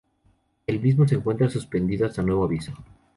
El mismo se encuentra suspendido hasta nuevo aviso.